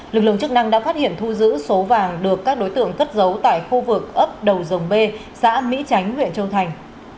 lực lượng chức năng đã phát hiện thu giữ số vàng được các đối tượng cất giấu tại khu vực ấp đầu dòng b xã mỹ tránh huyện châu thành